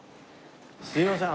すいません